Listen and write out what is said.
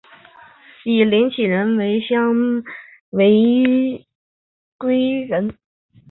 以林启生的家乡台南县归仁乡命名为归仁。